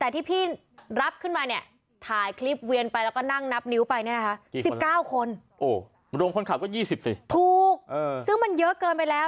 ถูกซึ่งมันเยอะเกินไปแล้ว